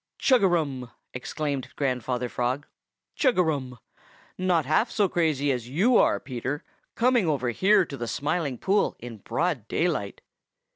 "Chug a rum!" exclaimed Grandfather Frog. "Chug a rum! Not half so crazy as you are, Peter, coming over here to the Smiling Pool in broad daylight.